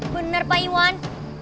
bener pak iwan